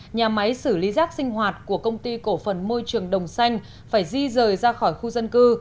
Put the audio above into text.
nhà máy xử lý rác sinh hoạt của công ty cổ phần môi trường đồng xanh phải di rời ra khỏi khu dân cư